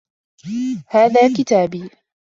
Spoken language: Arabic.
هذا كتابي.